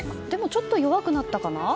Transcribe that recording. ちょっと弱くなったかな？